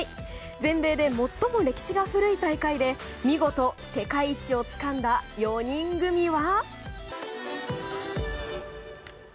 全米で最も歴史が古い大会で見事世界一をつかんだ４人組は。